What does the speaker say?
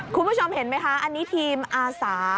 คุณผู้ชมเห็นไหมคะอันนี้ทีมอาสา